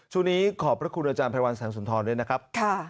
ช่วงนี้ขอบพระคุณอาจารย์ไพรวัลสังสนทรณ์ด้วยนะครับ